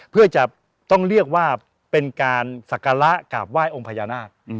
เพื่อจะต้องเรียกว่าเป็นการสักการะกราบไหว้องค์พญานาค